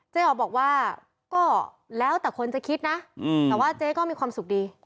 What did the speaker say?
อ๋อบอกว่าก็แล้วแต่คนจะคิดนะแต่ว่าเจ๊ก็มีความสุขดี